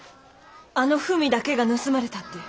あの文だけが盗まれたって。